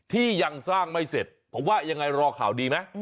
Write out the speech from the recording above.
ที่ยังสร้างไม่เสร็จผมว่ายังไงรอข่าวดีไหม